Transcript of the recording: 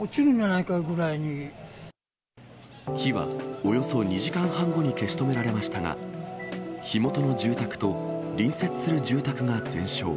火はおよそ２時間半後に消し止められましたが、火元の住宅と隣接する住宅が全焼。